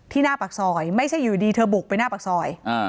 หน้าปากซอยไม่ใช่อยู่ดีเธอบุกไปหน้าปากซอย